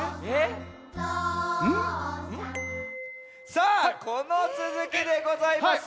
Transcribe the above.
さあこのつづきでございます！